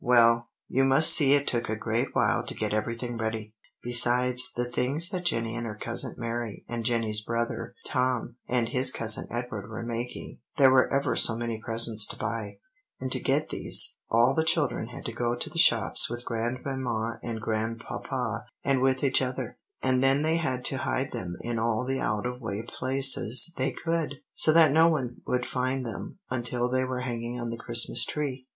Well, you must see it took a great while to get everything ready; besides the things that Jenny and her cousin Mary, and Jenny's brother Tom, and his cousin Edward were making, there were ever so many presents to buy; and to get these, all the children had to go to the shops with Grandmamma and Grandpapa and with each other, and then they had to hide them in all the out of the way places they could, so that no one would find them until they were hanging on the Christmas tree.